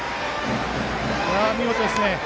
見事ですね。